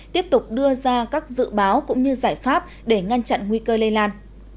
tiếp tục đưa ra các dự báo cũng như giải pháp để ngăn chặn nguy cơ lây lan